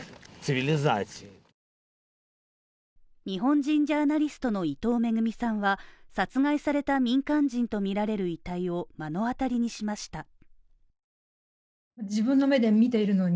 日本人ジャーナリストの伊藤めぐみさんは殺害された民間人とみられる遺体を目の当たりにしました。